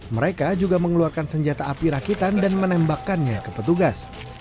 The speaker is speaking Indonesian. mereka juga mengeluarkan senjata api rakitan dan menembakkannya ke petugas